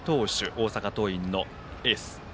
大阪桐蔭のエース。